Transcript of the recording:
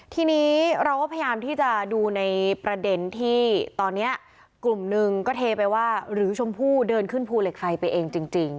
ทีนี้เราก็พยายามที่จะดูในประเด็นที่ตอนนี้กลุ่มหนึ่งก็เทไปว่าหรือชมพู่เดินขึ้นภูเหล็กไฟไปเองจริง